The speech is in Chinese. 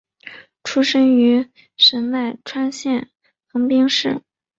出身于神奈川县横滨市。